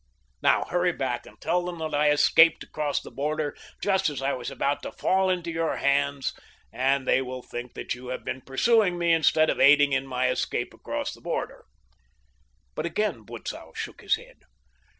Now hurry back and tell them that I escaped across the border just as I was about to fall into your hands and they will think that you have been pursuing me instead of aiding in my escape across the border." But again Butzow shook his head.